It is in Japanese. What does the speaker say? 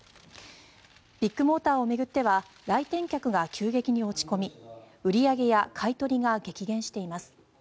ビッグモーターを巡っては来店客が急激に落ち込み売り上げや買い取りが激減しています。